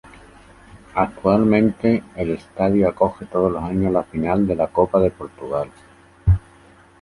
Actualmente, el estadio acoge todos los años la final de la Copa de Portugal.